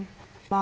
あ